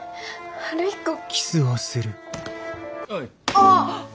あっ！